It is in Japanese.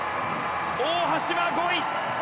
大橋は５位。